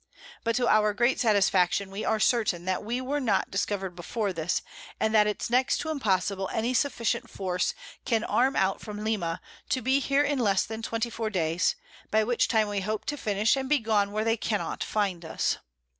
But to our great Satisfaction we are certain, that we were not discover'd before this, and that it's next to impossible any sufficient Force can arm out from Lima, to be here in less than 24 Days, by which time we hope to finish, and be gone where they cannot find us.